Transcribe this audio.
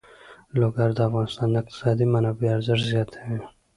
لوگر د افغانستان د اقتصادي منابعو ارزښت زیاتوي.